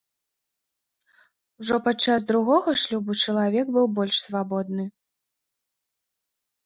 Ужо падчас другога шлюбу чалавек быў больш свабодны.